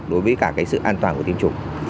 đối với cả cái sự an toàn của tiêm chủng